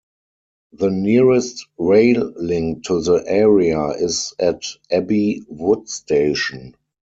The nearest rail link to the area is at Abbey Wood station.